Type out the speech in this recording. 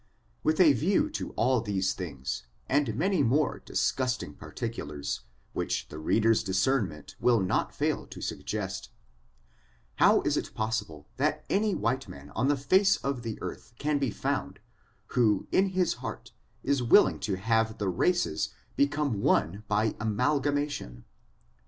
With a view to all these things, and many move disgusting particulars, which ^e reader's discemtiRent will Mi fail to suggest, how is it possible thai any white man on the fkce of the earth can be found, whio m his heart is willing to have the races bccomel otte t^ amalgamation?